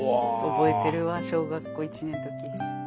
覚えてるわ小学校１年の時。